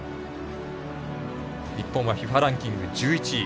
日本はＦＩＦＡランキング１１位。